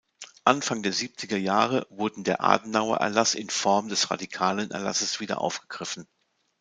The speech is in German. Anfang der siebziger Jahre wurde der Adenauer-Erlass in Form des Radikalenerlasses wieder aufgegriffen.